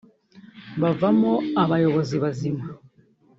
bavamo abayobozi bazima